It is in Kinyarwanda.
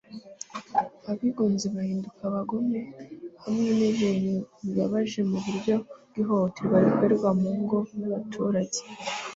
abigunze bahinduka abagome, hamwe n'ibintu bibabaje mu buryo bw'ihohoterwa rikorerwa mu ngo n'abaturage